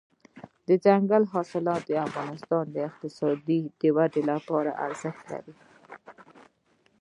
دځنګل حاصلات د افغانستان د اقتصادي ودې لپاره ارزښت لري.